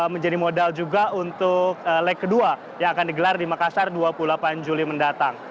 menjadi modal juga untuk leg kedua yang akan digelar di makassar dua puluh delapan juli mendatang